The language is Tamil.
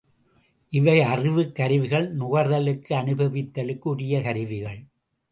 இவை அறிவுக் கருவிகள் நுகர்தலுக்கு அனுபவித்தலுக்கு உரிய கருவிகள்.